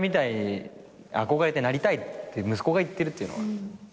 憧れてなりたいって息子が言ってるっていうのは。